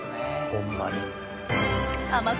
ホンマに。